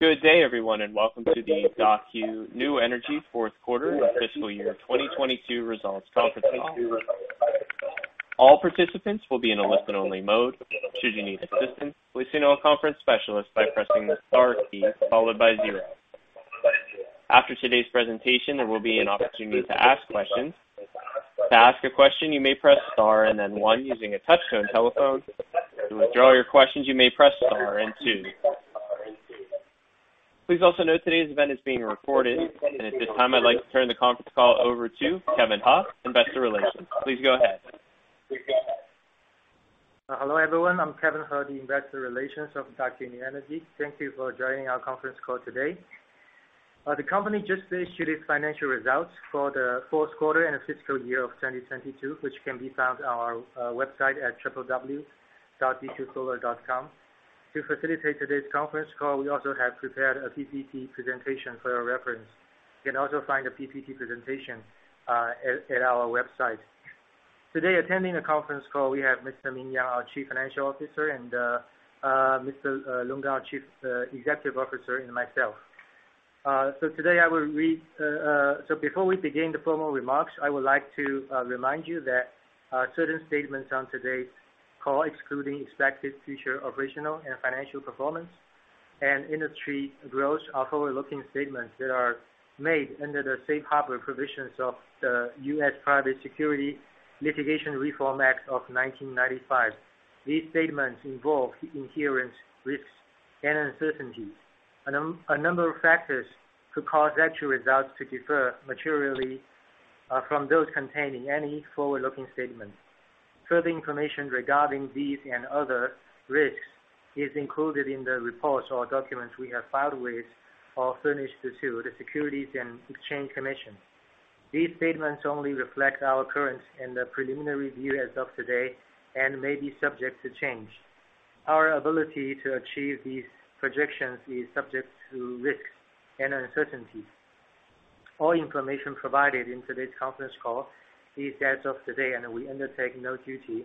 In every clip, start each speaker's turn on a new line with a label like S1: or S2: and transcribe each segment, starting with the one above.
S1: Good day everyone, welcome to the Daqo New Energy Fourth Quarter and Fiscal Year 2022 Results Conference Call. All participants will be in a listen-only mode. Should you need assistance, listen to a conference specialist by pressing the star key followed by zero. After today's presentation, there will be an opportunity to ask questions. To ask a question, you may press star and then one using a touch-tone telephone. To withdraw your questions, you may press star and two. Please also note today's event is being recorded. At this time, I'd like to turn the conference call over to Kevin He, Investor Relations. Please go ahead.
S2: Hello, everyone. I'm Kevin He, the Investor Relations of Daqo New Energy. Thank you for joining our conference call today. The company just issued its financial results for the fourth quarter and fiscal year of 2022, which can be found on our website at www.dqsolar.com. To facilitate today's conference call, we also have prepared a PPT presentation for your reference. You can also find the PPT presentation at our website. Today, attending the conference call, we have Mr. Ming Yang, our Chief Financial Officer, and Mr. Longgen Zhang, our Chief Executive Officer and myself. Before we begin the formal remarks, I would like to remind you that certain statements on today's call, excluding expected future operational and financial performance and industry growth are forward-looking statements that are made under the Safe Harbor provisions of the U.S. Private Securities Litigation Reform Act of 1995. These statements involve inherent risks and uncertainties. A number of factors could cause actual results to differ materially from those containing any forward-looking statement. Further information regarding these and other risks is included in the reports or documents we have filed with or furnished to the Securities and Exchange Commission. These statements only reflect our current and the preliminary view as of today and may be subject to change. Our ability to achieve these projections is subject to risks and uncertainties. All information provided in today's conference call is as of today. We undertake no duty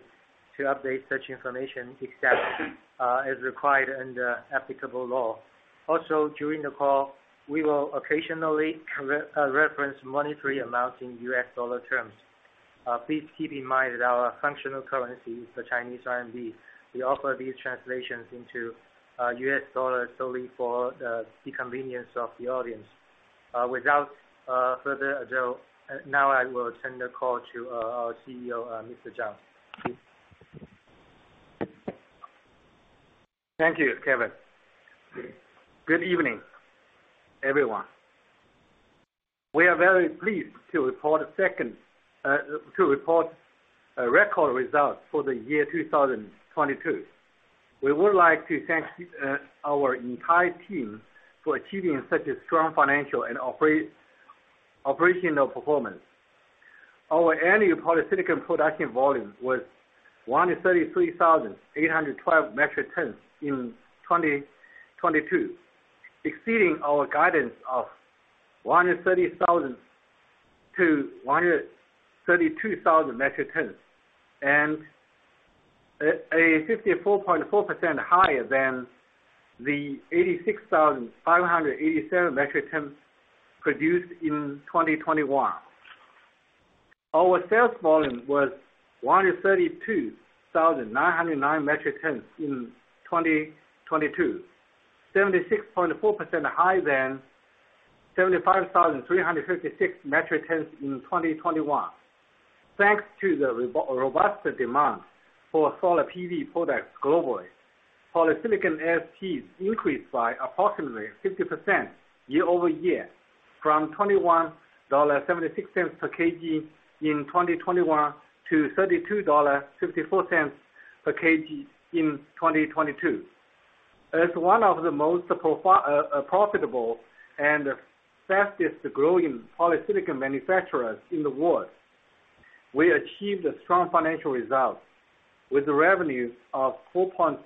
S2: to update such information except as required under applicable law. Also, during the call, we will occasionally reference monetary amounts in US dollar terms. Please keep in mind that our functional currency is the Chinese RMB. We offer these translations into US dollar solely for the convenience of the audience. Without further ado, now I will turn the call to our CEO, Mr. Zhang. Please.
S3: Thank you, Kevin. Good evening, everyone. We are very pleased to report a record result for the year 2022. We would like to thank our entire team for achieving such a strong financial and operational performance. Our annual polysilicon production volume was 133,812 MT in 2022, exceeding our guidance of 130,000–132,000 MT, and a 54.4% higher than the 86,587 MT produced in 2021. Our sales volume was 132,909 MT in 2022, 76.4% higher than 75,356 MT in 2021. Thanks to the robust demand for solar PV products globally, polysilicon SP increased by approximately 50% year-over-year from $21.76 per kg in 2021 to $32.54 per kg in 2022. As one of the most profitable and fastest-growing polysilicon manufacturers in the world, we achieved a strong financial result with revenues of $4.61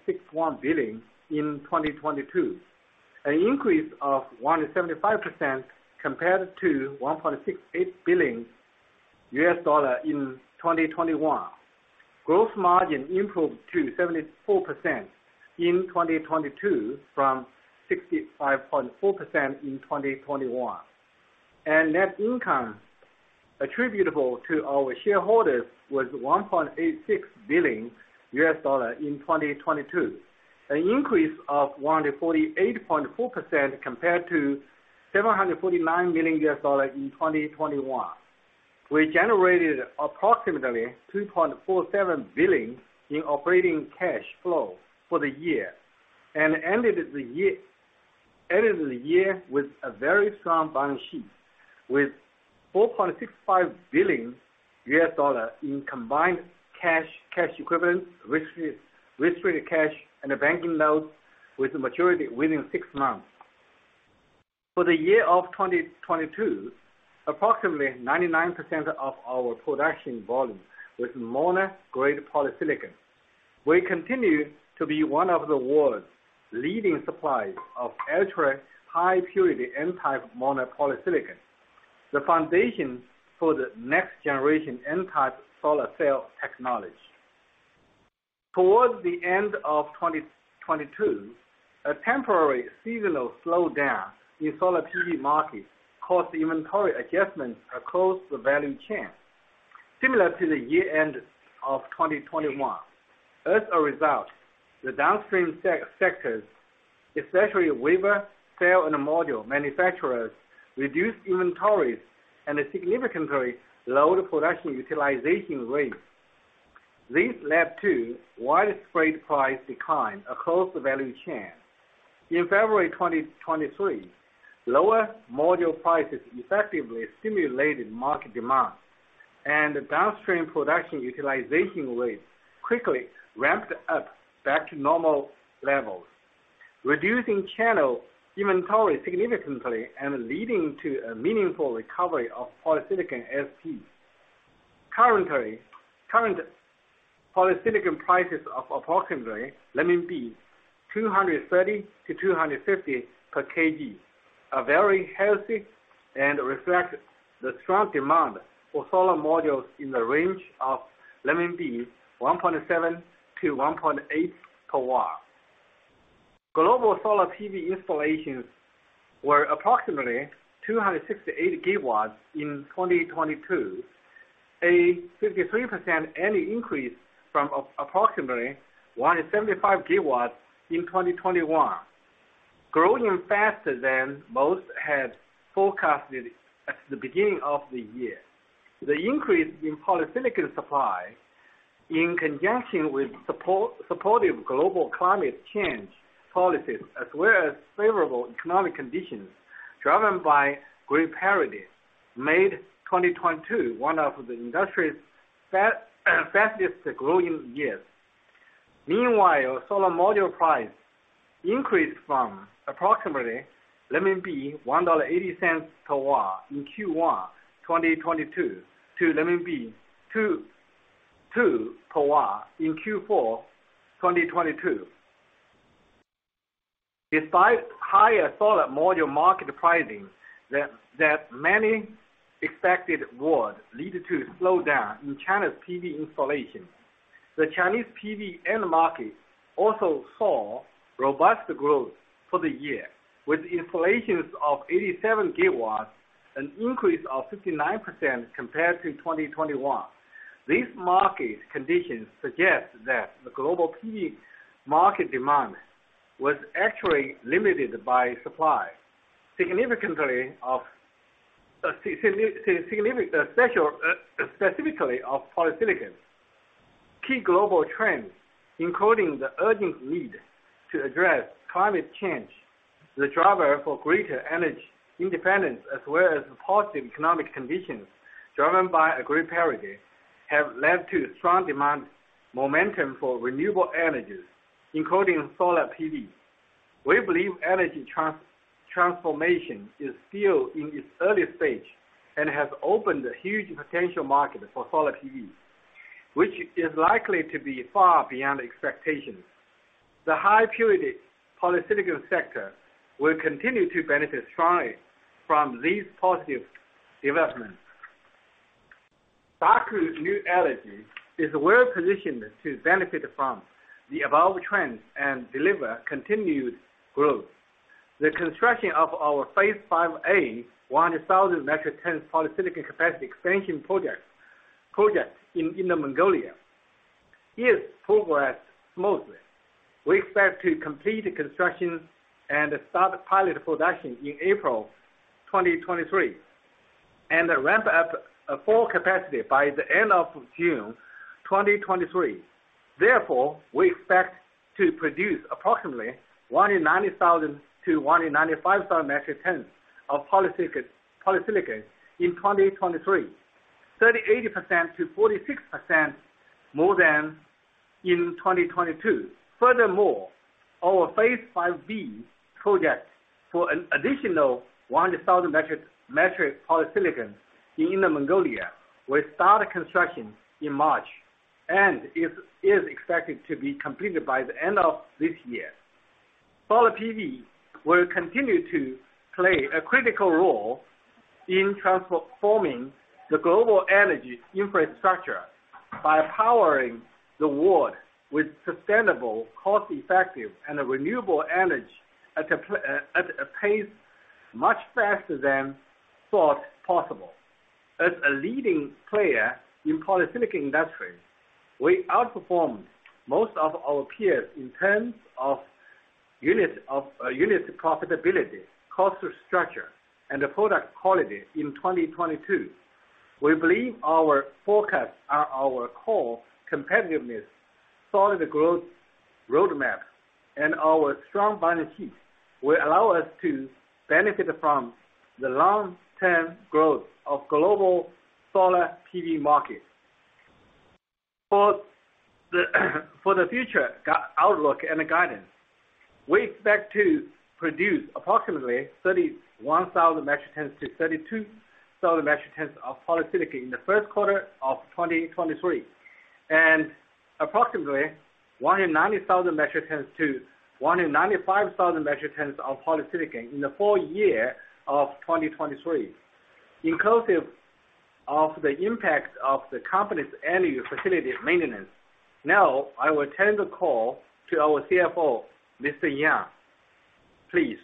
S3: billion in 2022, an increase of 175% compared to $1.68 billion in 2021. Gross margin improved to 74% in 2022 from 65.4% in 2021. Net income attributable to our shareholders was $1.86 billion in 2022, an increase of 148.4% compared to $749 million in 2021. We generated approximately $2.47 billion in operating cash flow for the year and ended the year with a very strong balance sheet with $4.65 billion in combined cash, cash equivalent, risk-restricted cash, and banking notes with maturity within six months. For the year of 2022, approximately 99% of our production volume was mono-grade polysilicon. We continue to be one of the world's leading suppliers of ultra-high purity N-type mono polysilicon, the foundation for the next generation N-type solar cell technology. Towards the end of 2022, a temporary seasonal slowdown in solar PV market caused inventory adjustments across the value chain, similar to the year-end of 2021. As a result, the downstream sectors, especially wafer, cell, and module manufacturers, reduced inventories and significantly lowered production utilization rates. This led to widespread price decline across the value chain. In February 2023, lower module prices effectively stimulated market demand, and downstream production utilization rates quickly ramped up back to normal levels, reducing channel inventory significantly and leading to a meaningful recovery of polysilicon SP. Currently, current polysilicon prices of approximately 230-250 per kg are very healthy and reflect the strong demand for solar modules in the range of 1.7-1.8 per W. Global solar PV installations were approximately 268 GW in 2022, a 53% annual increase from approximately 175 GW in 2021, growing faster than most had forecasted at the beginning of the year. The increase in polysilicon supply, in conjunction with supportive global climate change policies, as well as favorable economic conditions driven by grid parity, made 2022 one of the industry's fastest growing years. Meanwhile, solar module price increased from approximately CNY 1.80 per W in Q1 2022 to 2 per W in Q4 2022. Despite higher solar module market pricing that many expected would lead to a slowdown in China's PV installations, the Chinese PV end market also saw robust growth for the year, with installations of 87 GWs, an increase of 59% compared to 2021. These market conditions suggest that the global PV market demand was actually limited by supply, specifically of polysilicon. Key global trends, including the urgent need to address climate change, the driver for greater energy independence, as well as positive economic conditions driven by a grid parity, have led to strong demand momentum for renewable energies, including solar PV. We believe energy transformation is still in its early stage and has opened a huge potential market for solar PV, which is likely to be far beyond expectations. The high-purity polysilicon sector will continue to benefit strongly from these positive developments. Daqo New Energy is well-positioned to benefit from the above trends and deliver continued growth. The construction of our Phase 5A 100,000 MT polysilicon capacity expansion project in Inner Mongolia is progressed smoothly. We expect to complete the construction and start pilot production in April 2023, and ramp up full capacity by the end of June 2023. We expect to produce approximately 190,000–195,000 MT of polysilicon in 2023, 38%-46% more than in 2022. Our Phase 5B project for an additional 100,000 MT polysilicon in Inner Mongolia will start construction in March and is expected to be completed by the end of this year. Solar PV will continue to play a critical role in transforming the global energy infrastructure by powering the world with sustainable, cost-effective, and renewable energy at a pace much faster than thought possible. As a leading player in polysilicon industry, we outperformed most of our peers in terms of unit profitability, cost structure, and product quality in 2022. We believe our forecasts are our core competitiveness, solid growth roadmap, and our strong balance sheet will allow us to benefit from the long-term growth of global solar PV market. For the future outlook and guidance, we expect to produce approximately 31,000–32,000 MT of polysilicon in the first quarter of 2023, and approximately 190,000–195,000 MT of polysilicon in the full-year of 2023, inclusive of the impact of the company's annual facility maintenance. Now, I will turn the call to our CFO, Mr. Yang. Please.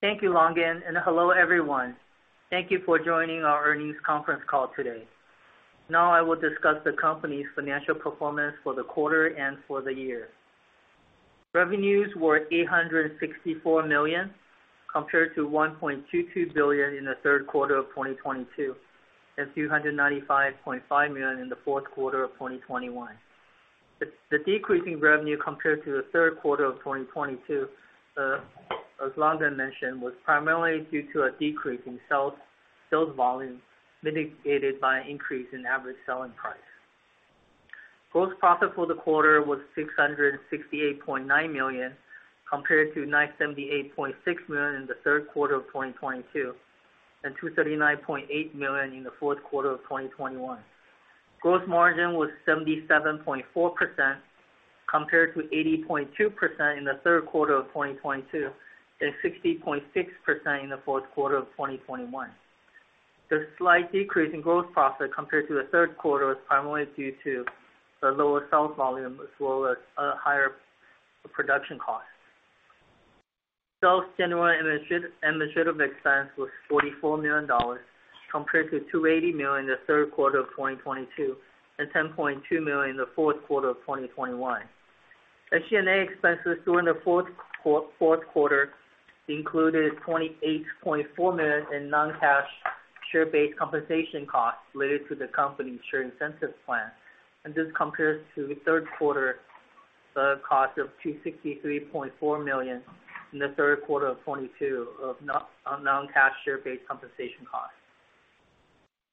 S4: Thank you, Longgen. Hello everyone. Thank you for joining our earnings conference call today. Now I will discuss the company's financial performance for the quarter and for the year. Revenues were $864 million, compared to $1.22 billion in the third quarter of 2022, and $295.5 million in the fourth quarter of 2021. The decrease in revenue compared to the third quarter of 2022, as Longgen mentioned, was primarily due to a decrease in sales volume, mitigated by an increase in average selling price. Gross profit for the quarter was $668.9 million, compared to $978.6 million in the third quarter of 2022, and $239.8 million in the fourth quarter of 2021. Gross margin was 77.4% compared to 80.2% in the third quarter of 2022, and 60.6% in the fourth quarter of 2021. The slight decrease in gross profit compared to the third quarter was primarily due to the lower sales volume as well as higher production costs. Sales, general, and administrative expense was $44 million compared to $280 million in the third quarter of 2022, and $10.2 million in the fourth quarter of 2021. SG&A expenses during the fourth quarter included $28.4 million in non-cash share-based compensation costs related to the company's share incentive plan. This compares to the third quarter cost of $263.4 million in the third quarter of 2022 of non-cash share-based compensation costs.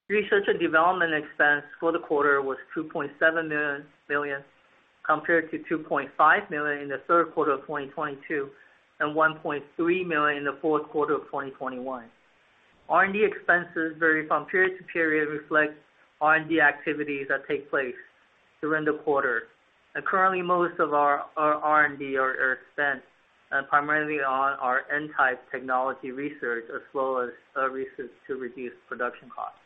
S4: Research and development expense for the quarter was $2.7 million compared to $2.5 million in the third quarter of 2022, and $1.3 million in the fourth quarter of 2021. R&D expenses vary from period to period, reflect R&D activities that take place during the quarter. Currently, most of our R&D are spent primarily on our N-type technology research as well as research to reduce production costs.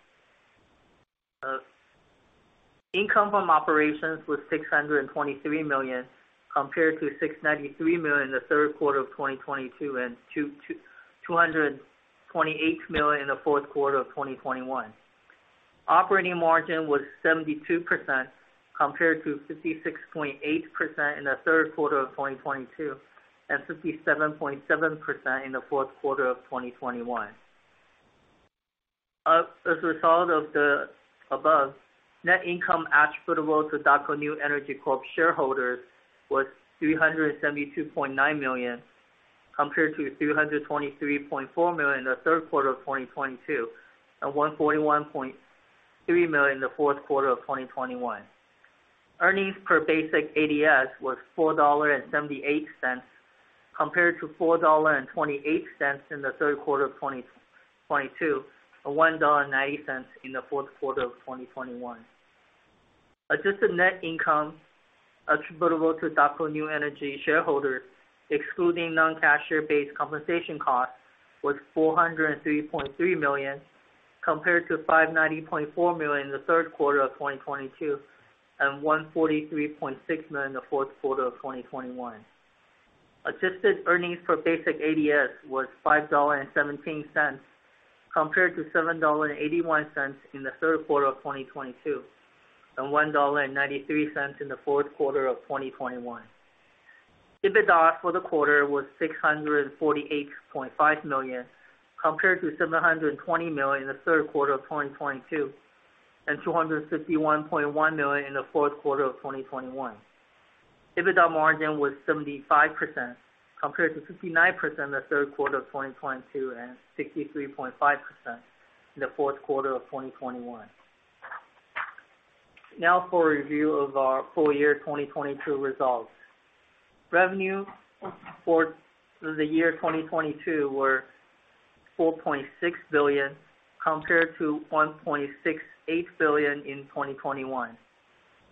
S4: Income from operations was $623 million compared to $693 million in the third quarter of 2022 and $228 million in the fourth quarter of 2021. Operating margin was 72% compared to 56.8% in the third quarter of 2022, and 57.7% in the fourth quarter of 2021. As a result of the above, net income attributable to Daqo New Energy Corp. shareholders was $372.9 million, compared to $323.4 million in the third quarter of 2022, and $141.3 million in the fourth quarter of 2021. Earnings per basic ADS was $4.78, compared to $4.28 in the third quarter of 2022, and $1.90 in the fourth quarter of 2021. Adjusted net income attributable to Daqo New Energy shareholders, excluding non-cash share-based compensation cost, was $403.3 million, compared to $590.4 million in the third quarter of 2022, and $143.6 million in the fourth quarter of 2021. Adjusted earnings per basic ADS was $5.17, compared to $7.81 in the third quarter of 2022, and $1.93 in the fourth quarter of 2021. EBITDA for the quarter was $648.5 million, compared to $720 million in the third quarter of 2022, and $251.1 million in the fourth quarter of 2021. EBITDA margin was 75% compared to 59% in the third quarter of 2022, and 63.5% in the fourth quarter of 2021. For a review of our full-year 2022 results. Revenue for the year 2022 were $4.6 billion compared to $1.68 billion in 2021.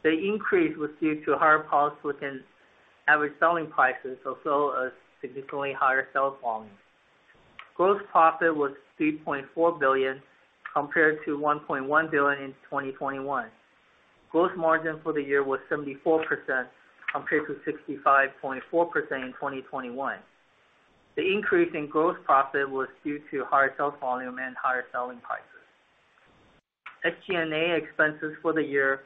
S4: The increase was due to higher polysilicon average selling prices, also a significantly higher sales volume. Gross profit was $3.4 billion, compared to $1.1 billion in 2021. Gross margin for the year was 74% compared to 65.4% in 2021. The increase in gross profit was due to higher sales volume and higher selling prices. SG&A expenses for the year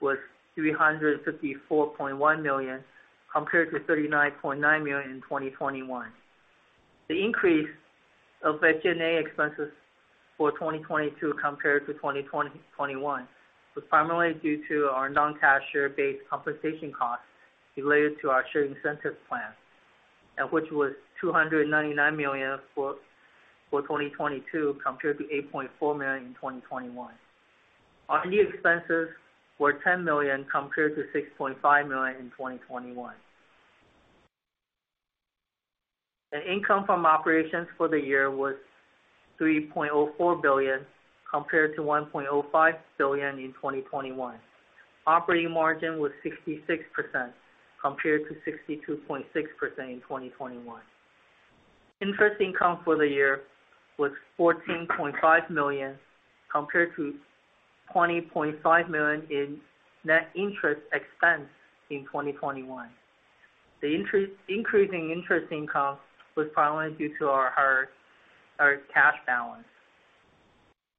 S4: was $354.1 million, compared to $39.9 million in 2021. The increase of SG&A expenses for 2022 compared to 2021 was primarily due to our non-cash share-based compensation costs related to our share incentive plan, which was $299 million for 2022 compared to $8.4 million in 2021. R&D expenses were $10 million compared to $6.5 million in 2021. The income from operations for the year was $3.04 billion compared to $1.05 billion in 2021. Operating margin was 66% compared to 62.6% in 2021. Interest income for the year was $14.5 million compared to $20.5 million in net interest expense in 2021. The increasing interest income was primarily due to our higher, our cash balance.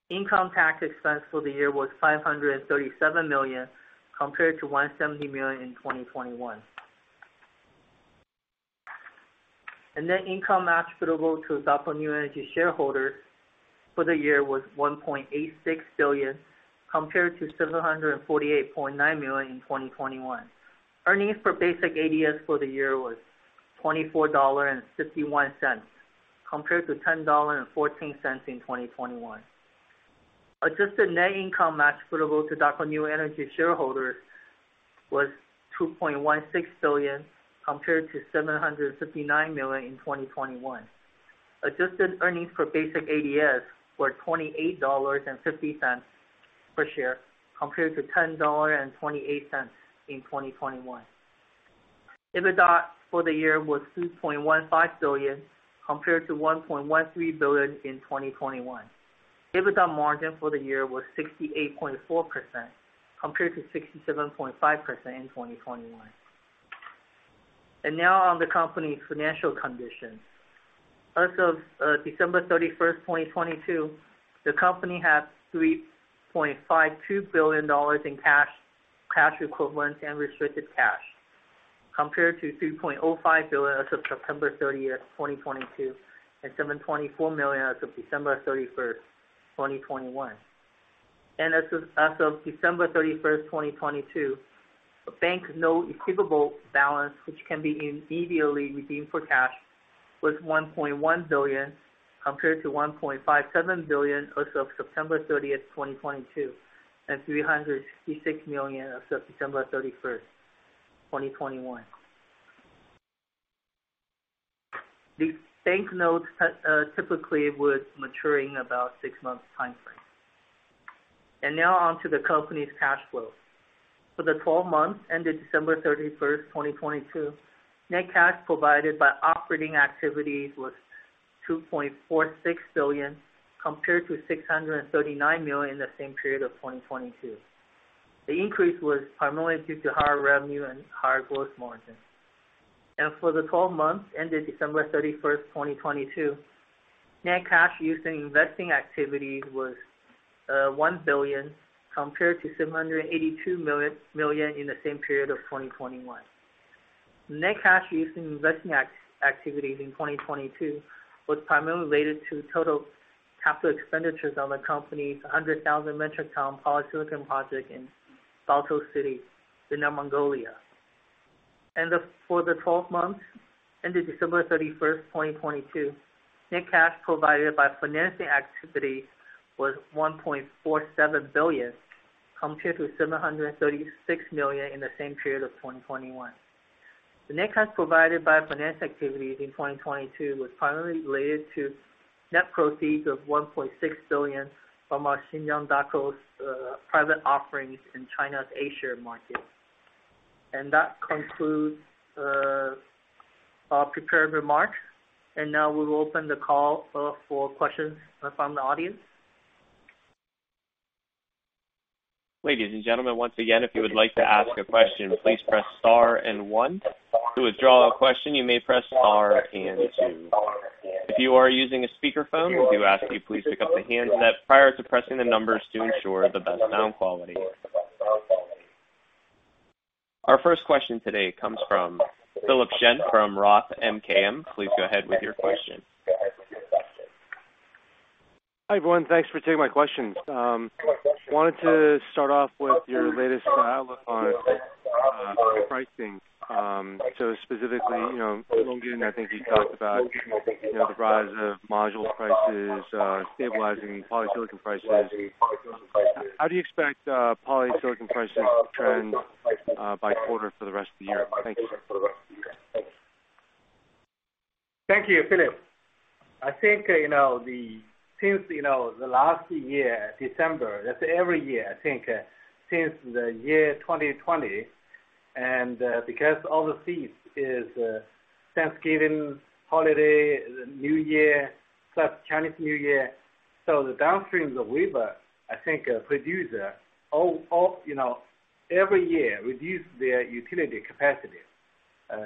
S4: Income tax expense for the year was $537 million compared to $170 million in 2021. Net income attributable to Daqo New Energy shareholders for the year was $1.86 billion, compared to $748.9 million in 2021. Earnings per basic ADS for the year was $24.51, compared to $10.14 in 2021. Adjusted net income attributable to Daqo New Energy shareholders was $2.16 billion, compared to $759 million in 2021. Adjusted earnings per basic ADS were $28.50 per share, compared to $10.28 in 2021. EBITDA for the year was $2.15 billion, compared to $1.13 billion in 2021. EBITDA margin for the year was 68.4% compared to 67.5% in 2021. Now on the company's financial condition. As of December 31st, 2022, the company had $3.52 billion in cash, cash equivalents and restricted cash, compared to $3.05 billion as of September 30th, 2022, and $724 million as of December 31st, 2021. As of December 31, 2022, the bank note receivable balance, which can be immediately redeemed for cash, was $1.1 billion, compared to $1.57 billion as of September 30th, 2022, and $366 million as of December 31st, 2021. These bank notes typically was maturing about six months timeframe. Now on to the company's cash flow. For the 12 months ended December 31st, 2022, net cash provided by operating activities was $2.46 billion, compared to $639 million in the same period of 2022. The increase was primarily due to higher revenue and higher growth margin. For the 12 months ended December 31st, 2022, net cash used in investing activity was $1 billion, compared to $782 million in the same period of 2021. Net cash used in investing activities in 2022 was primarily related to total capital expenditures on the company's 100,000 MT polysilicon project in Baotou City, Inner Mongolia. For the 12 months ended December 31st, 2022, net cash provided by financing activity was $1.47 billion, compared to $736 million in the same period of 2021. The net cash provided by finance activities in 2022 was primarily related to net proceeds of $1.6 billion from our Xinjiang Daqo's private offerings in China's A-share market. That concludes our prepared remarks. Now we will open the call for questions from the audience.
S1: Ladies and gentlemen, once again, if you would like to ask a question, please press star and one. To withdraw a question, you may press star and two. If you are using a speakerphone, we do ask that you please pick up the handset prior to pressing the numbers to ensure the best sound quality. Our first question today comes from Philip Shen from Roth MKM. Please go ahead with your question.
S5: Hi, everyone. Thanks for taking my questions. Wanted to start off with your latest outlook on pricing. Specifically, you know, Longgen, I think he talked about, you know, the rise of module prices, stabilizing polysilicon prices. How do you expect polysilicon prices to trend by quarter for the rest of the year? Thanks.
S3: Thank you, Philip. I think, you know, since, you know, last year, December, that's every year, I think, since the year 2020, because all the fees is Thanksgiving Holiday, New Year plus Chinese New Year. The downstream, the waiver, I think, producer of, you know, every year reduce their utility capacity,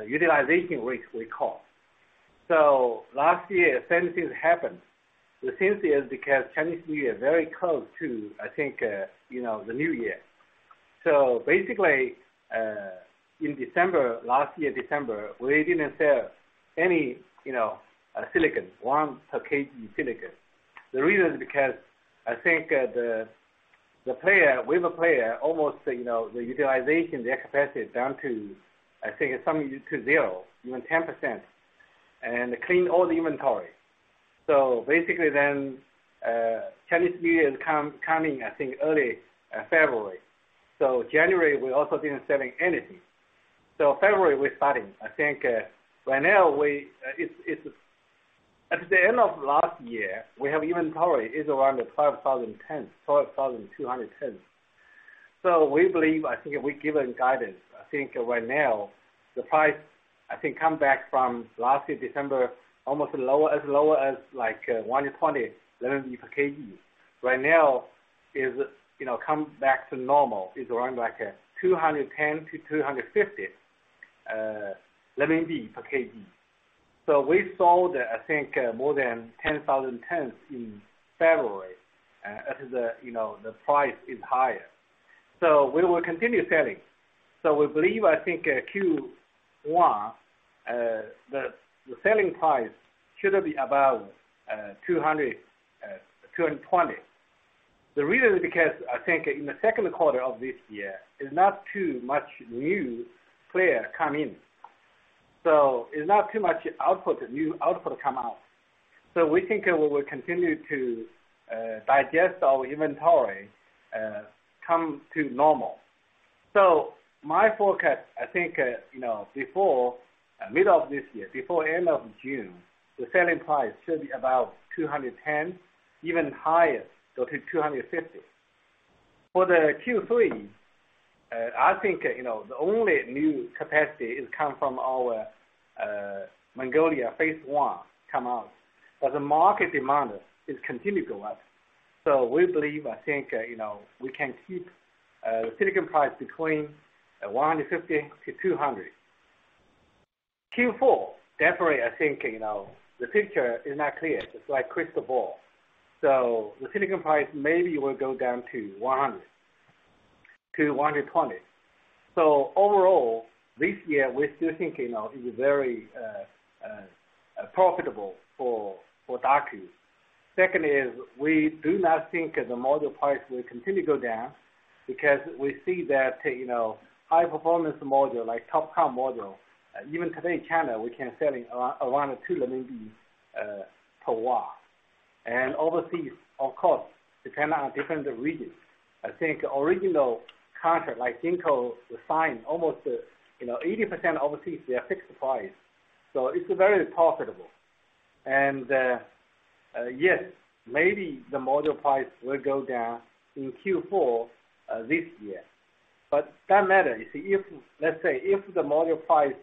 S3: utilization rates we call. Last year, same thing happened. Since then, because Chinese New Year, very close to, I think, you know, the New Year. Basically, in December, last year, December, we didn't sell any, you know, silicon. 1 per kg silicon. The reason is because I think, the player, waiver player almost, you know, the utilization, the capacity is down to, I think it's something to zero, even 10% and clean all the inventory. Basically then, Chinese New Year is coming I think early February. January we also didn't selling anything. February we're starting. I think right now we, at the end of last year, we have even probably is around 5,010, 4,200 tons. We believe, I think we've given guidance. I think right now the price, come back from last year December, almost lower, as lower as like 120 per kg. Right now is, you know, come back to normal. It's around like 210-250 per kg. We sold more than 10,000 tons in February as the, you know, the price is higher. We will continue selling. We believe Q1 the selling price should be about 200-220. The reason is because I think in the second quarter of this year is not too much new player come in, it's not too much output, new output come out. We think we will continue to digest our inventory, come to normal. My forecast, I think, you know, before middle of this year, before end of June, the selling price should be about 210, even higher, go to 250. The Q3, I think, you know, the only new capacity is come from our Inner Mongolia Phase 5A come out, but the market demand is continue to go up. We believe, I think, you know, we can keep the silicon price between 150-200. Q4, definitely I think, you know, the picture is not clear. It's like crystal ball. The silicon price maybe will go down to 100-120. Overall this year we're still thinking of is very profitable for Daqo. Second is we do not think the module price will continue to go down because we see that, you know, high performance module like TOPCon module. Even today in China, we can sell it around 2 per W. Overseas of course, depend on different regions. I think original contract like Jinko signed almost, you know, 80% overseas, they are fixed price, so it's very profitable. Yes, maybe the module price will go down in Q4 this year. Don't matter you see if module price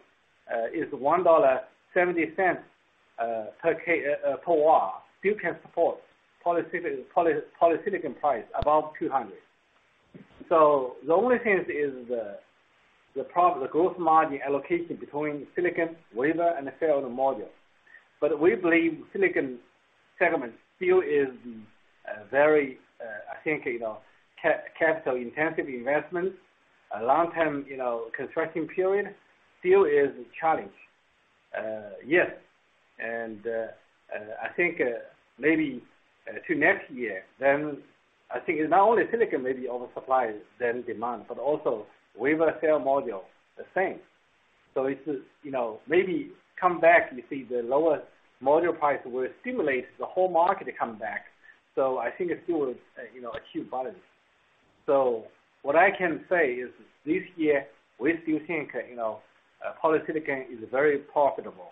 S3: is $1.70 per W, still can support polysilicon price above 200. The only thing is the growth margin allocation between silicon wafer and the sale of the module. But we believe silicon segment still is a very, I think, you know, capital intensive investment. A long time, you know, constructing period still is a challenge. Yes. I think maybe next year then it's not only silicon maybe oversupply than demand, but also wafer sale module the same. So it's, you know, maybe come back, you see the lower module price will stimulate the whole market to come back. So I think it still is, you know, acute balance. What I can say is this year we still think, you know, polysilicon is very profitable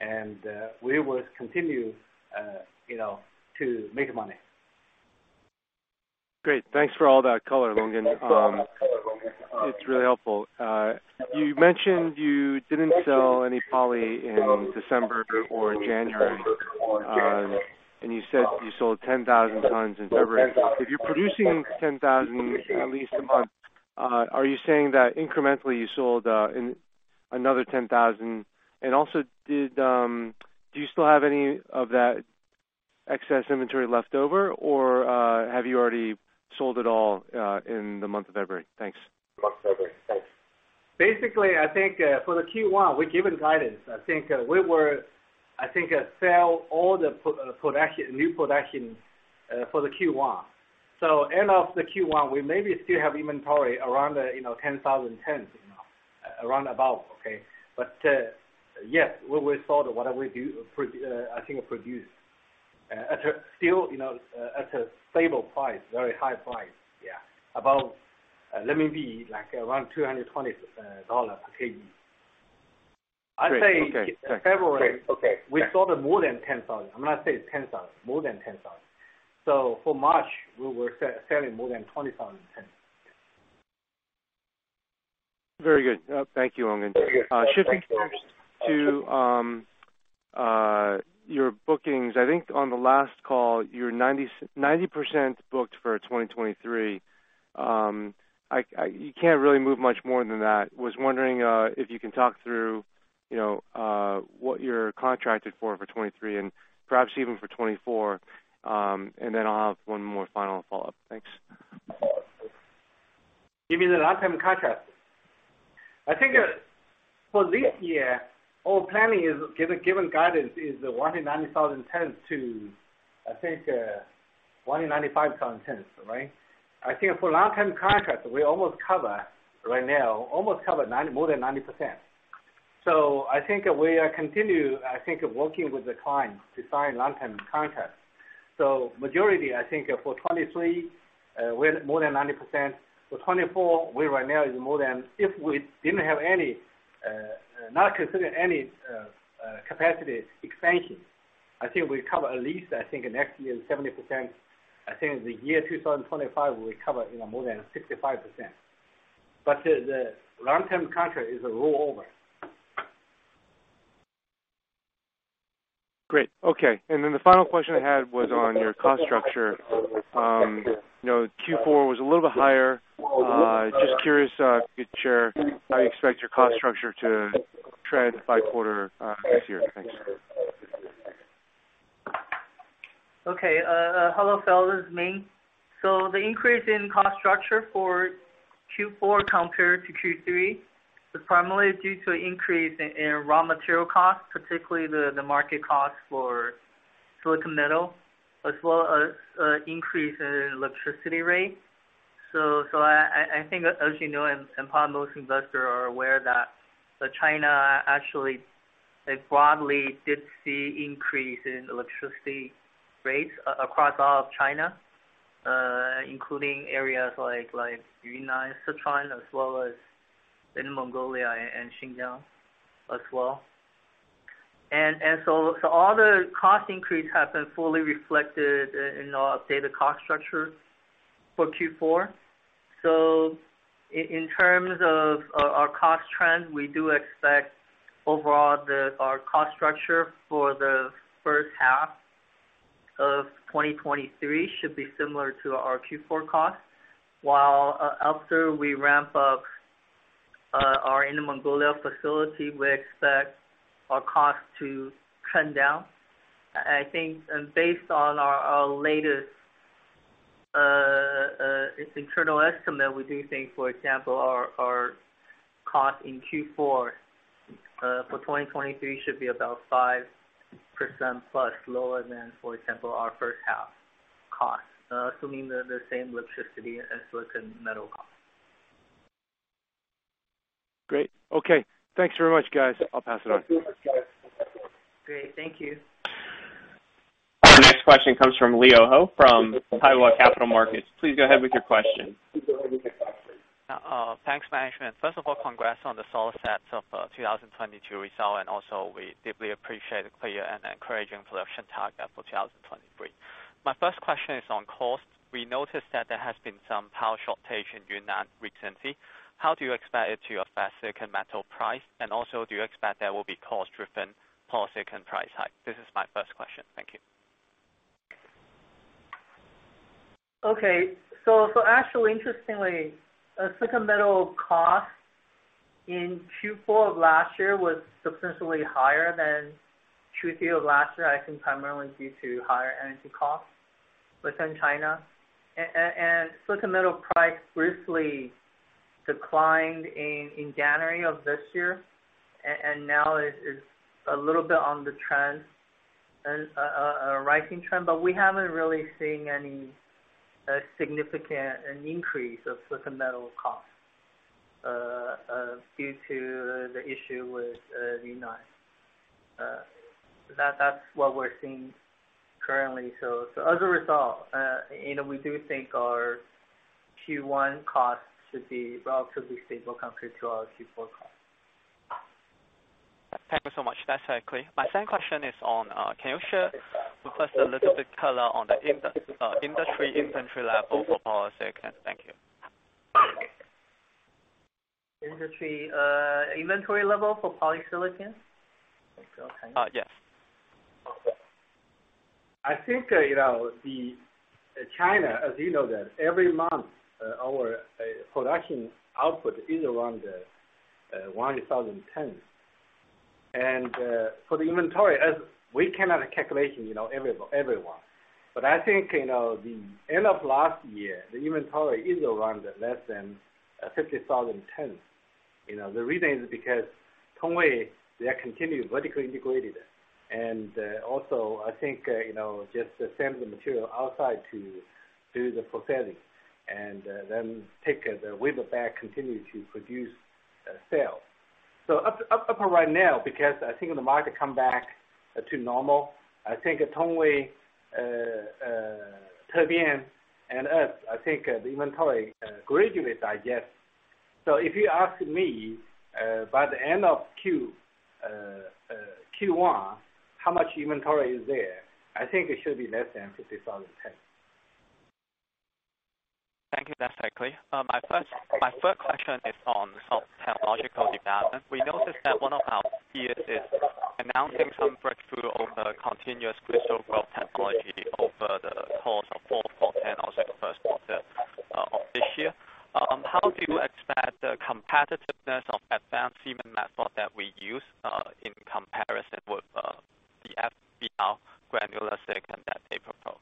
S3: and we will continue, you know, to make money.
S5: Great. Thanks for all that color, Longgen. It's really helpful. You mentioned you didn't sell any poly in December or January, and you said you sold 10,000 tons in February. If you're producing 10,000 at least a month, are you saying that incrementally you sold another 10,000? Also did, do you still have any of that excess inventory left over or have you already sold it all in the month of February? Thanks.
S3: I think, for the Q1 we've given guidance. I think, sell all the production, new production, for the Q1. End of the Q1, we maybe still have inventory around, you know, 10,000 tons, you know, around about, okay? Yes, we sold whatever we do I think produced. At a still, you know, at a stable price. Very high price. Yeah. About, let me be like around $220 per kg.
S5: Okay.
S3: I say February.
S5: Okay.
S3: We sold more than 10,000. I'm not saying 10,000. More than 10,000. For March we were selling more than 20,000 tons.
S5: Very good. Thank you, Longgen. Shifting to your bookings. I think on the last call, you're 90% booked for 2023. You can't really move much more than that. Was wondering if you can talk through, you know, what you're contracted for 2023 and perhaps even for 2024. Then I'll have one more final follow-up. Thanks.
S3: You mean the long term contract? I think, for this year our planning is given guidance is 190,000 tons to, I think, 195,000 tons. Right? I think for long term contracts, we almost cover right now, almost cover more than 90%. We are continue, I think, working with the client to sign long-term contracts. Majority, I think for 2023, with more than 90%. For 2024, we right now is more than—if we didn't have any, not considering any capacity expansion, I think we cover at least, I think next year 70%. I think the year 2025, we cover, you know, more than 65%. The, the long-term contract is a rollover.
S5: Great. Okay. The final question I had was on your cost structure. you know, Q4 was a little bit higher. Just curious, if you share how you expect your cost structure to trend by quarter this year? Thanks.
S4: Okay. Hello, Phil, this is Ming. The increase in cost structure for Q4 compared to Q3 is primarily due to increase in raw material costs, particularly the market cost for silicon metal, as well as increase in electricity rate. I think as you know, and probably most investors are aware that China actually, like, broadly did see increase in electricity rates across all of China, including areas like Yunnan, Sichuan, as well as Inner Mongolia and Xinjiang as well. All the cost increase have been fully reflected in our updated cost structure for Q4. In terms of our cost trend, we do expect overall our cost structure for the first half of 2023 should be similar to our Q4 costs. While, after we ramp up our Inner Mongolia facility, we expect our costs to come down. I think, and based on our latest internal estimate, we do think, for example, our cost in Q4 for 2023 should be about 5%+ lower than, for example, our first half costs, assuming the same electricity and silicon metal costs.
S5: Great. Okay. Thanks very much, guys. I'll pass it on.
S4: Great. Thank you.
S1: Our next question comes from Leo Ho from Daiwa Capital Markets. Please go ahead with your question.
S6: Thanks management. First of all, congrats on the solid sets of 2022 result. We deeply appreciate the clear and encouraging production target for 2023. My first question is on cost. We noticed that there has been some power shortage in Yunnan recently. How do you expect it to affect silicon metal price? Do you expect there will be cost-driven polysilicon price hike? This is my first question. Thank you.
S4: Okay. Actually interestingly, silicon metal cost in Q4 of last year was substantially higher than Q3 of last year, I think primarily due to higher energy costs within China. Silicon metal price briefly declined in January of this year. Now it is a little bit on the trend, a rising trend, but we haven't really seen any significant, an increase of silicon metal cost due to the issue with Yunnan. That's what we're seeing currently. As a result, you know, we do think our Q1 costs should be relatively stable compared to our Q4 costs.
S6: Thank you so much. That's very clear. My second question is on, can you share with us a little bit color on the industry inventory level for polysilicon? Thank you.
S4: Industry inventory level for polysilicon?
S6: Yes.
S3: I think, you know, the, China, as you know that every month, our production output is around 1,000 tons. For the inventory, as we cannot calculation, you know, every one. I think, you know, the end of last year, the inventory is around less than 50,000 tons. You know, the reason is because Tongwei, they are continued vertically integrated. Also I think, you know, just send the material outside to do the processing and then take the wafer back, continue to produce cell. Up until right now, because I think the market come back to normal, I think Tongwei, TBEA and us, I think the inventory gradually digest. If you ask me, by the end of Q1, how much inventory is there? I think it should be less than 50,000 tons.
S6: Thank you. That's very clear. My third question is on sort of technological development. We noticed that one of our peers is announcing some breakthrough on the continuous crystal growth technology over the course of four ten, also the first quarter of this year. How do you expect the competitiveness of advanced Siemens method that we use in comparison with the FBR granular silicon that they propose?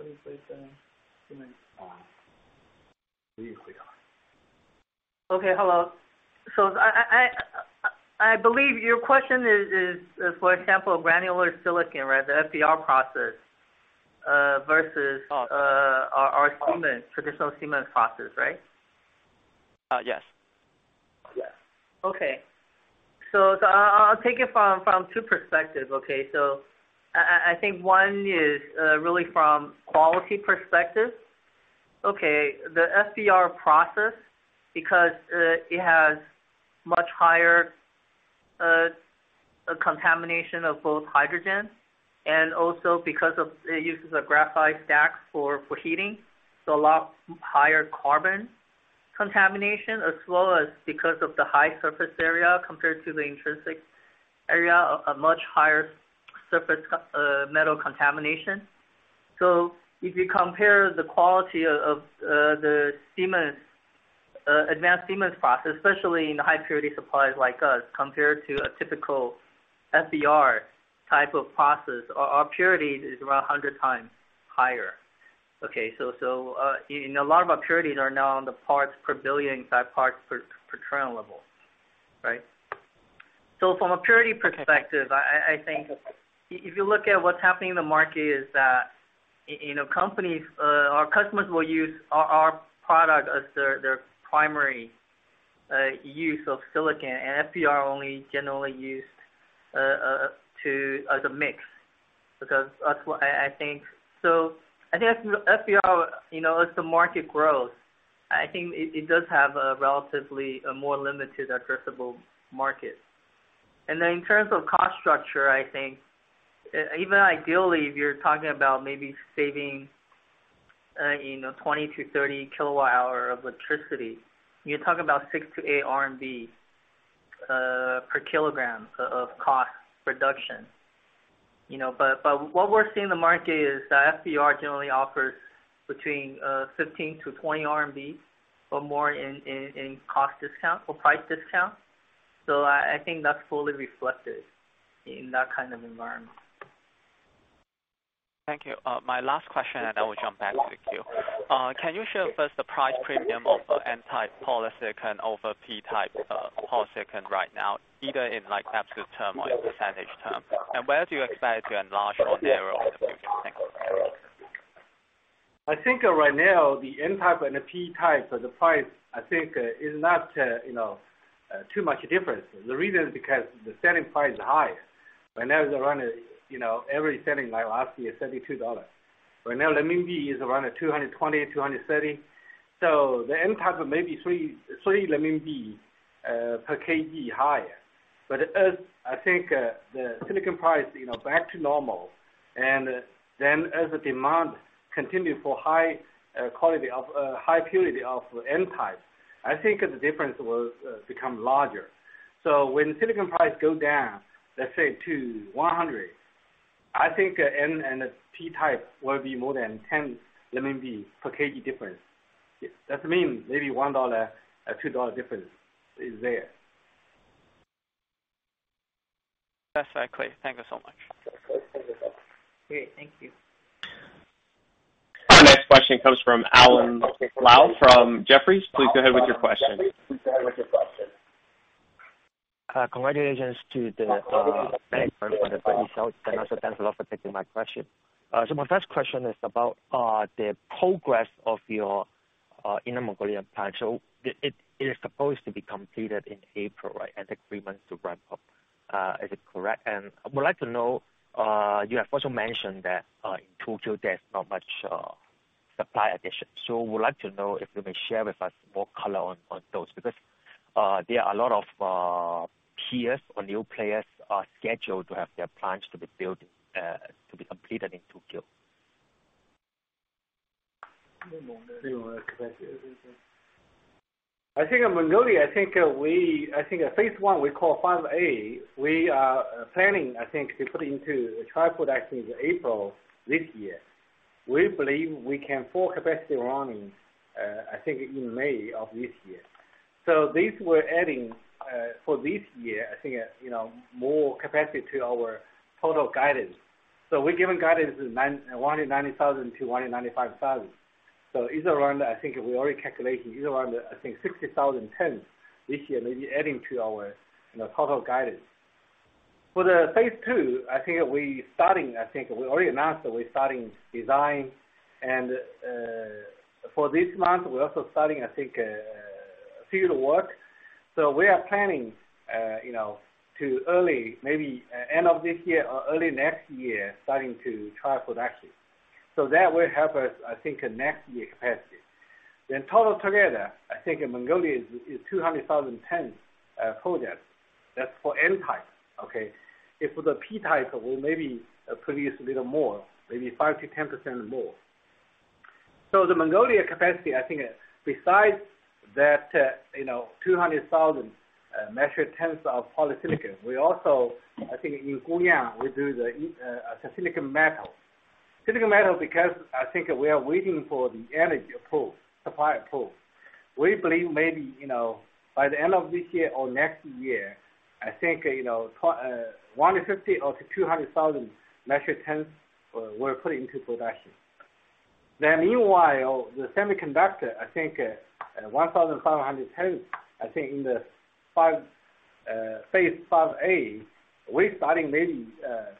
S6: Thank you.
S4: Okay. Hello. I believe your question is for example, granular silicon, right? The FBR process, versus our Siemens, traditional Siemens process, right?
S6: Yes.
S4: Yes. Okay. I'll take it from two perspectives, okay? I think one is really from quality perspective. Okay. The FBR process, because it has much higher contamination of both hydrogen and also because of it uses a graphite stack for heating, so a lot higher carbon contamination as well as because of the high surface area compared to the intrinsic area, a much higher surface metal contamination. If you compare the quality of the Siemens, advanced Siemens process, especially in the high purity suppliers like us, compared to a typical FBR type of process, our purity is around 100x higher. Okay. You know, a lot of our purities are now on the parts per billion type parts per trillion level, right? From a purity perspective, I think if you look at what's happening in the market is that, you know, companies, our customers will use our product as their primary use of silicon, and FBR only generally used to as a mix. Because that's what I think. I think FBR, you know, as the market grows, I think it does have a relatively a more limited addressable market. In terms of cost structure, I think even ideally, if you're talking about maybe saving, you know, 20–30 kW hour of electricity, you're talking about CNY 6-CNY. 8 per kg of cost reduction. You know, but what we're seeing in the market is that FBR generally offers between 15-20 RMB or more in cost discount or price discount. I think that's fully reflected in that kind of environment.
S6: Thank you. My last question, and I will jump back to the queue. Can you share with us the price premium of the N-type polysilicon over P-type polysilicon right now, either in like absolute term or in percentage term? Where do you expect to enlarge your narrow?
S3: I think right now the N-type and the P-type, the price I think is not, you know, too much difference. The reason is because the selling price is high. Right now is around, you know, every selling I will ask you is $72. Right now RMB is around 220, 230. The N-type may be 3 per kg higher. As I think, the silicon price, you know, back to normal, and then as the demand continue for high quality of high purity of N-type, I think the difference will become larger. When silicon price go down, let's say to 100, I think N-type and the P-type will be more than 10 per kg difference. That means maybe $1, $2 difference is there.
S6: That's clear. Thank you so much.
S4: Great. Thank you.
S1: Our next question comes from Alan Lau from Jefferies. Please go ahead with your question.
S7: Congratulations to the results, and also thanks a lot for taking my question. My first question is about the progress of your Inner Mongolia plan. It is supposed to be completed in April, right? As agreements to ramp up. Is it correct? I would like to know, you have also mentioned that in 2Q there's not much supply addition. Would like to know if you may share with us more color on those, because there are a lot of peers or new players are scheduled to have their plans to be built to be completed in 2Q.
S3: I think in Inner Mongolia, I think phase 1 we call Phase 5A. We are planning, I think, to put into trial production in April this year. We believe we can full capacity running, I think in May of this year. These we're adding for this year, I think, you know, more capacity to our total guidance. We're giving guidance is 190,000–195,000. Is around I think we already calculating is around I think 60,000 tons this year maybe adding to our, you know, total guidance. For the phase 2, I think we starting, I think we already announced that we're starting design and for this month we're also starting I think field work. We are planning, you know, to early maybe end of this year or early next year, starting to trial production. That will help us, I think, next year capacity. In total together, I think Mongolia is 200,000 tons project. That's for N-type, okay? If for the P-type, we maybe produce a little more, maybe 5%-10% more. The Mongolia capacity, I think besides that, you know, 200,000 measured tons of polysilicon, we also I think in Xinjiang, we do the silicon metal. Silicon metal because I think we are waiting for the energy pool, supply pool. We believe maybe, you know, by the end of this year or next year, I think, you know, 150,000–200,000 MT we're putting into production. Meanwhile, the semiconductor, I think, 1,500 tons, I think in the Phase 5A, we're starting maybe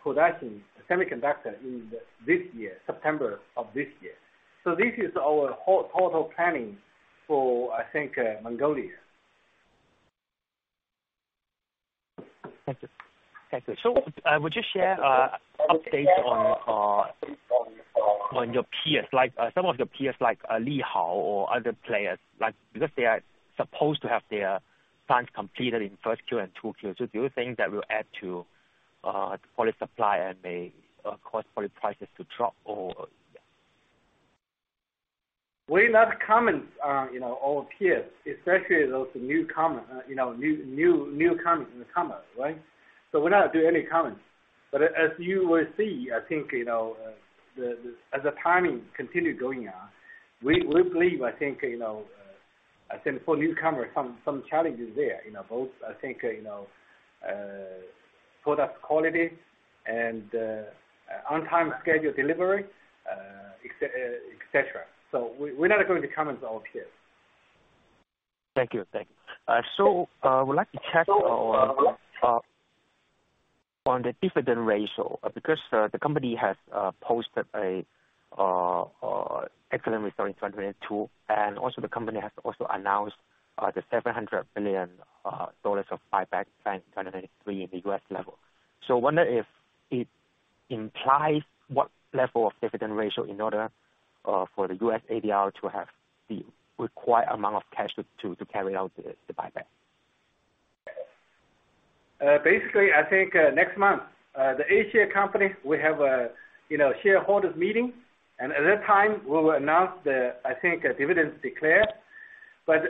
S3: production semiconductor in this year, September of this year. This is our whole total planning for, I think, Mongolia.
S7: Thank you. Thank you. Would you share update on your peers, like some of your peers, like Lihao or other players, like, because they are supposed to have their plans completed in 1Q and 2Q? Do you think that will add to poly supply and may cause poly prices to drop, or?
S3: We're not comment on, you know, our peers, especially those new comment, you know, new comments in the commerce, right? we're not do any comments. as you will see, I think, you know, as the timing continue going on, we believe, I think, you know, I think for newcomers, some challenges there, you know, both, I think, you know, product quality and on time schedule delivery, et cetera. we're not going to be comments on peers.
S7: Thank you. Thank you. Would like to check on the dividend ratio, because the company has posted an excellent return in 2022. Also, the company has also announced the $700 billion of buyback in 2023 in the U.S. level. Wonder if it implies what level of dividend ratio in order for the U.S. ADR to have the required amount of cash to carry out the buyback?
S3: Basically, I think, next month, the A-share company will have a, you know, shareholders meeting. At that time, we will announce the, I think, dividends declared. I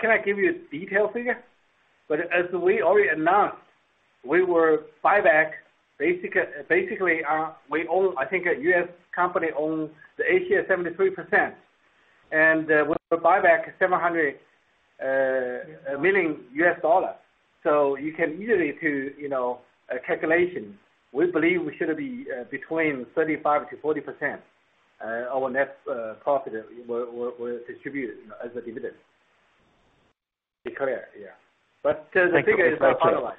S3: cannot give you a detailed figure, but as we already announced, we will buyback, we own, I think a U.S. company owns the A-share 73%. We'll buyback $700 million. You can easily do, you know, a calculation. We believe we should be between 30%-40%, our next profit will distribute as a dividend. Declare, yeah. The figure is not finalized.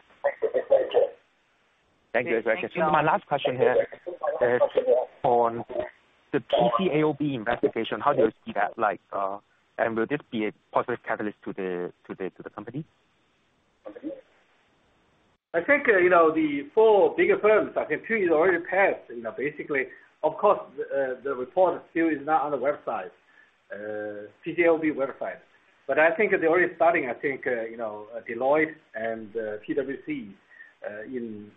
S7: Thank you. Thank you. My last question here is on the PCAOB investigation. How do you see that, like, and will this be a positive catalyst to the company?
S3: I think the four bigger firms, I think two is already passed, you know, basically. Of course, the report still is not on the website, PCAOB website. I think they're already starting, I think, you know, Deloitte and PwC in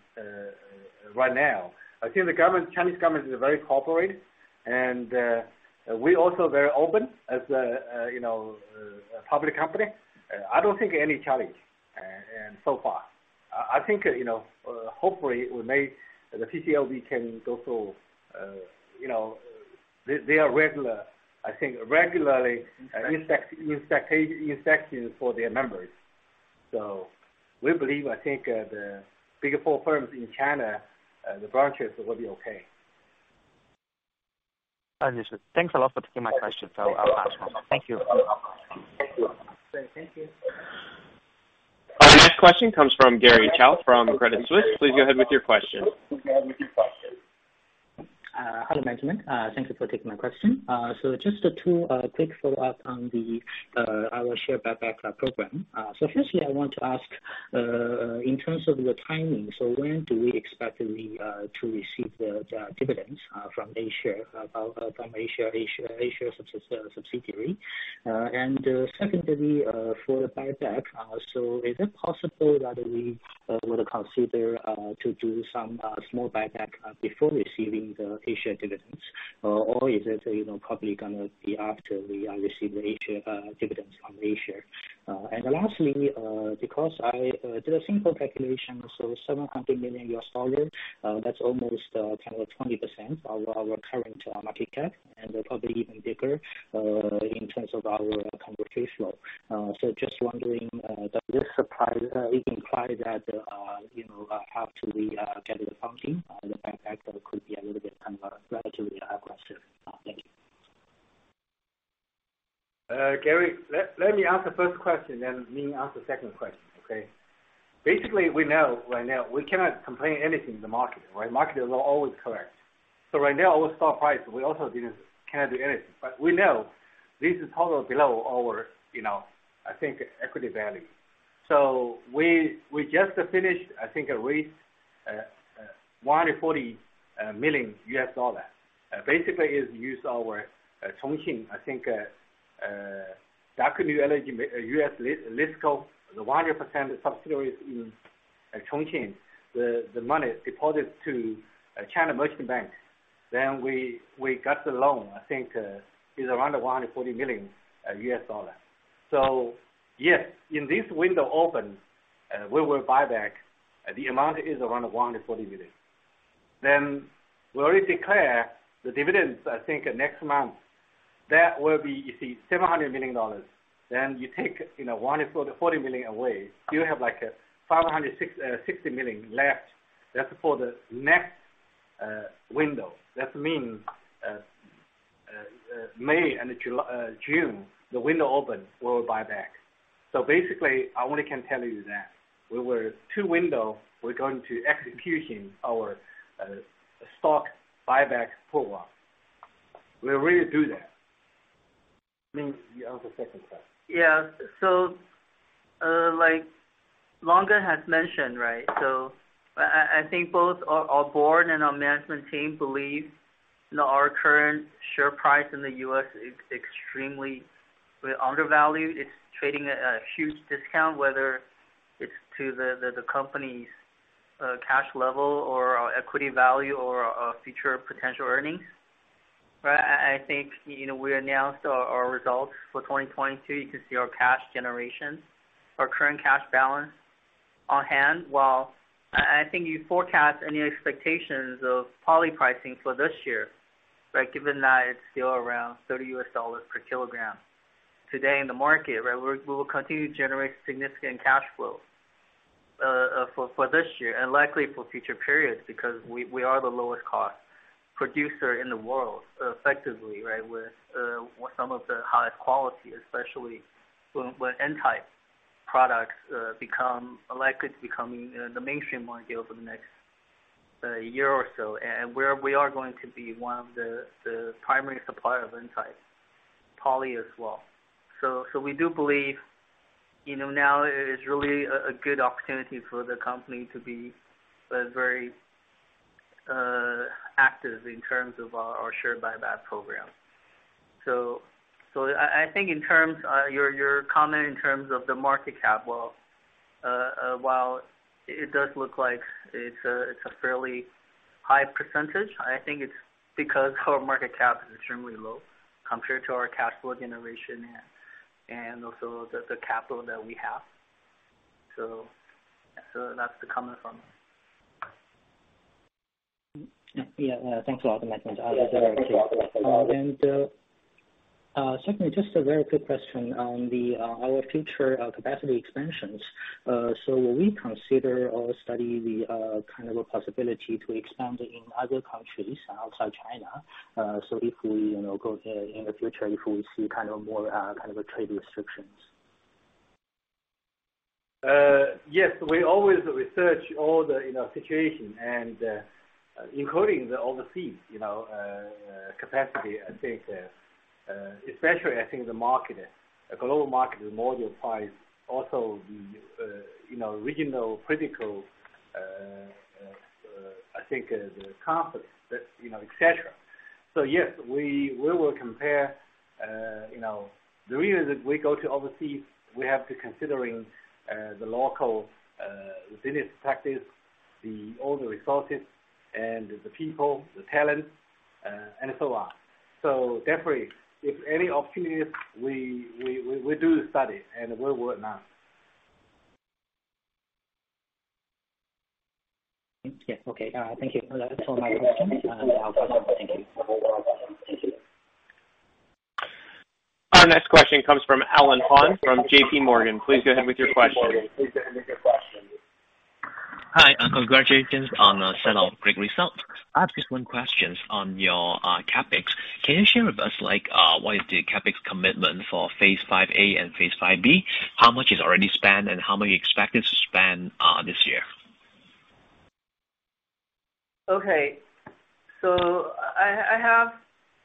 S3: right now. I think the government, Chinese government is very cooperative, and we also very open as a public company. I don't think any challenge and so far. I think, you know, hopefully the PCAOB can also, you know, they are regular, I think, regularly inspection for their members. We believe, I think, the bigger four firms in China, the branches will be okay.
S7: Understood. Thanks a lot for taking my questions. I'll ask more. Thank you.
S3: Thank you.
S8: Thank you.
S1: Our next question comes from Gary Zhou from Credit Suisse. Please go ahead with your question.
S8: Hello, management. Thank you for taking my question. Just two quick follow-up on the our share buyback program. Firstly I want to ask, in terms of the timing, when do we expect the dividends from ACLE subsidiary? Secondly, for the buyback, is it possible that we would consider to do some small buyback before receiving the ACLE dividends? Is it, you know, probably gonna be after we receive the ACLE dividends from ACLE? Lastly, because I did a simple calculation, $700 million, that's almost kind of 20% of our current market cap and probably even bigger in terms of our conversion flow. Just wondering, does this surprise? It implies that, you know, how to we get it functioning? The fact that could be a little bit kind of relatively aggressive. Thank you.
S3: Gary, let me answer first question. Ming answer second question, okay? We know right now we cannot complain anything in the market, right? Market is always correct. Right now our stock price, we also cannot do anything. We know this is total below our, you know, I think, equity value. We just finished, I think, a raise, $140 million. Basically it's use our Chongqing, I think, Daqo New Energy U.S. listed co, the 100% subsidiary in Chongqing. The money deposited to China Merchants Bank. We got the loan, I think, is around $140 million. Yes, in this window open, we will buyback. The amount is around $140 million. We already declare the dividends, I think, next month. That will be, you see, $700 million. You take, you know, one is for the $40 million away. You have like $560 million left. That's for the next window. That means May and June, the window open, we will buy back. Basically, I only can tell you that. We were two window, we're going to executing our stock buyback program. We will really do that. Ming, you on the second side.
S4: Yeah. Like Longgen has mentioned. I think both our board and our management team believe our current share price in the U.S. is extremely undervalued. It's trading at a huge discount, whether it's to the company's cash level or our equity value or our future potential earnings. I think, you know, we announced our results for 2022. You can see our cash generation, our current cash balance on hand, while I think you forecast any expectations of poly pricing for this year. Given that it's still around $30 per kg today in the market. We will continue to generate significant cash flow for this year and likely for future periods because we are the lowest cost producer in the world effectively. With some of the highest quality, especially when N-type products likely to becoming, you know, the mainstream module for the next year or so. We are going to be one of the primary supplier of N-type poly as well. We do believe, you know, now is really a good opportunity for the company to be very active in terms of our share buyback program. I think in terms, your comment in terms of the market cap, well, while it does look like it's a fairly high percentage, I think it's because our market cap is extremely low compared to our cash flow generation and also the capital that we have. That's the comment from me.
S8: Yeah. Thanks a lot, management.
S3: Yeah. Thank you.
S8: Secondly, just a very quick question on the our future capacity expansions. Will we consider or study the kind of a possibility to expand in other countries outside China? If we, you know, go in the future, if we see kind of more kind of a trade restrictions.
S3: Yes, we always research all the, you know, situation and including the overseas, you know, capacity. I think, especially I think the market, the global market module price also the, you know, regional political, I think the conflict, you know, et cetera. Yes, we will compare, you know. The reason we go to overseas, we have to considering the local business practice, all the resources and the people, the talent, and so on. Definitely, if any opportunities, we do the study and we will announce.
S8: Yes. Okay. Thank you. That's all my questions. Thank you.
S3: Thank you.
S1: Our next question comes from Alan Hon from JPMorgan. Please go ahead with your question.
S9: Hi, congratulations on a set of great results. I have just one question on your CapEx. Can you share with us, like, what is the CapEx commitment for Phase 5A and Phase 5B? How much is already spent and how much you expected to spend this year?
S4: Okay. I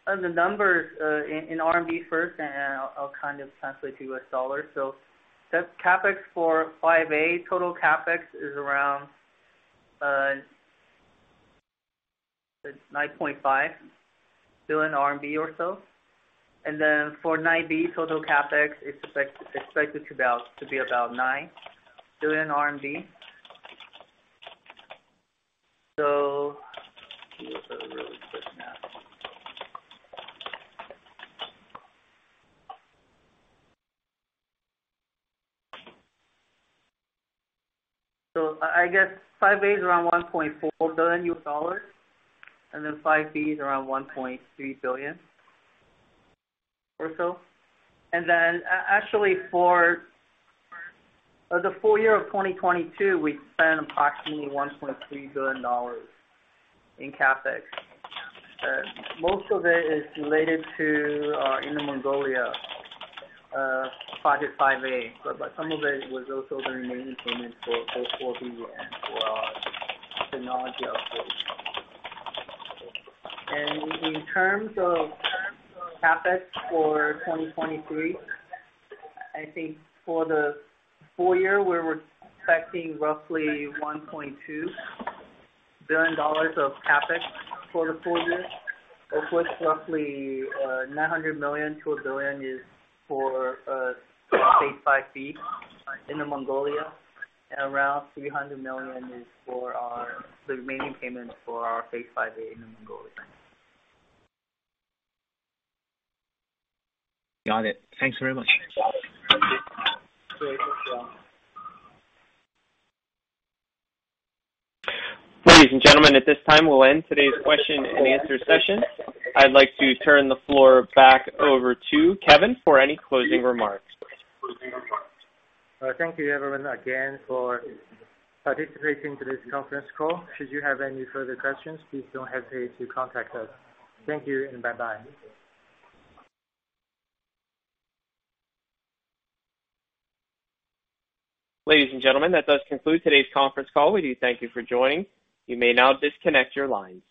S4: have the numbers in CNY first, and I'll kind of translate to USD. The CapEx for Phase 5A, total CapEx is around 9.5 billion RMB or so. For Phase 5B, total CapEx is expected to be about 9 billion RMB. I guess Phase 5A is around $1.4 billion, and Phase 5B is around $1.3 billion or so. Actually for the full-year of 2022, we spent approximately $1.3 billion in CapEx. Most of it is related to our Inner Mongolia project Phase 5A, but some of it was also the remaining payment for Phase 4B and for our technology upgrade. In terms of CapEx for 2023, I think for the full-year, we're expecting roughly $1.2 billion of CapEx for the full-year. Of which roughly $900 million-$1 billion is for Phase 5B in Inner Mongolia, and around $300 million is for our, the remaining payments for our Phase 5A in Inner Mongolia.
S9: Got it. Thanks very much.
S4: Sure. Thank you.
S1: Ladies and gentlemen, at this time we'll end today's question and answer session. I'd like to turn the floor back over to Kevin for any closing remarks.
S4: Thank you everyone again for participating today's conference call. Should you have any further questions, please don't hesitate to contact us. Thank you and bye-bye.
S1: Ladies and gentlemen, that does conclude today's conference call. We do thank you for joining. You may now disconnect your lines.